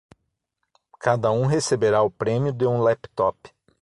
Cada um receberá o prêmio de um laptop.